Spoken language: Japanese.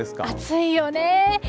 暑いよね。